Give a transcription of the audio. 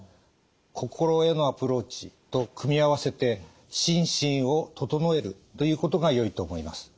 心へのアプローチと組み合わせて心身を整えるということがよいと思います。